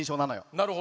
なるほど。